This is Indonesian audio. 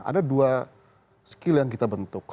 ada dua skill yang kita bentuk